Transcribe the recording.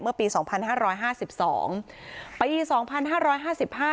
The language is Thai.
ปีสองพันห้าร้อยห้าสิบสองปีสองพันห้าร้อยห้าสิบห้า